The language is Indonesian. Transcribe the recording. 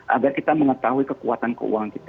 agar kita mengetahui kekuatan keuangan kita